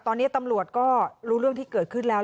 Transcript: ตอนนี้ตำรวจก็รู้เรื่องที่เกิดขึ้นแล้ว